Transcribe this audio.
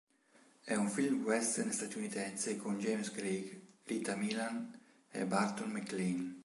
È un film western statunitense con James Craig, Lita Milan e Barton MacLane.